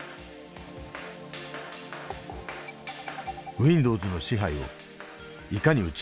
ウインドウズの支配をいかに打ち破るか。